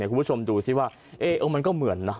คุณผู้ชมดูสิว่ามันก็เหมือนนะ